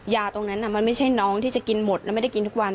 ยาตรงนั้นมันไม่ใช่น้องที่จะกินหมดแล้วไม่ได้กินทุกวัน